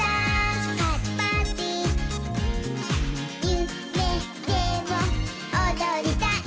「ゆめでもおどりたい」